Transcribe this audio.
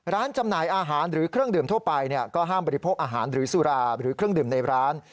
จำหน่ายอาหารหรือเครื่องดื่มทั่วไปก็ห้ามบริโภคอาหารหรือสุราหรือเครื่องดื่มในร้าน